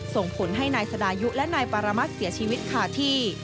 ส่งผลให้นายสดายุและนายปารมัติเสียชีวิตคาที่